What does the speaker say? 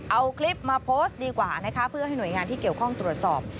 เอาคลิปมาโพสต์ดีกว่านะคะเพื่อให้หน่วยงานที่เกี่ยวข้องตรวจสอบ